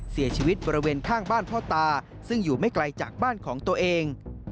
เสียชีวิตบริเวณข้างบ้านพ่อตาซึ่งอยู่ไม่ไกลจากบ้านของตัวเอง